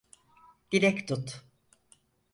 Dilek tut.